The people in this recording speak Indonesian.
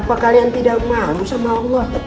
apakah kalian tidak malu dengan allah